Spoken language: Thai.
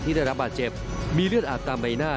ได้รับบาดเจ็บมีเลือดอาบตามใบหน้า